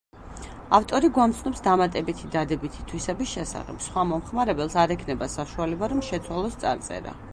ავტორი გვამცნობს დამატებითი დადებითი თვისების შესახებ: სხვა მომხმარებელს არ ექნება საშუალება რომ შეცვალოს წარწერა.